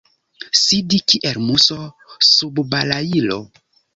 Sidi kiel muso sub balailo.